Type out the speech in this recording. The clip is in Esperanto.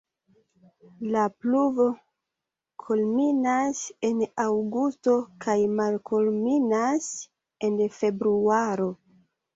La pluvo kulminas en aŭgusto kaj malkulminas en februaro.